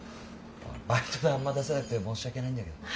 バイト代あんま出せなくて申し訳ないんだけどね。